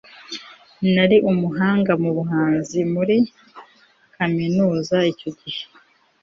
Nari umuhanga mubuhanzi muri kaminuza icyo gihe